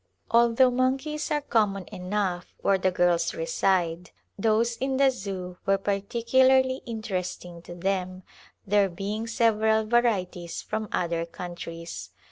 Although monkeys are common enough where the girls reside those in the Zoo were particu larly interesting to them, there being several varieties from other countries.